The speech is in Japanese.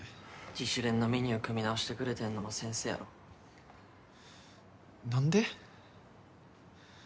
自主練のメニュー組み直してくれてんのも先生やろ何で？